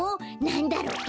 なんだろう？